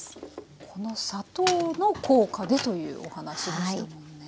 この砂糖の効果でというお話でしたもんね。